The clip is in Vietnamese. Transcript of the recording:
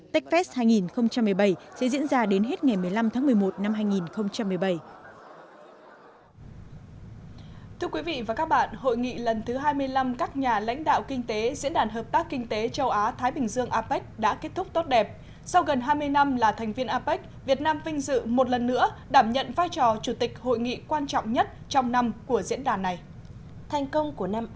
techfest hai nghìn một mươi bảy sẽ diễn ra đến hết ngày một mươi năm tháng một mươi một năm hai nghìn một mươi bảy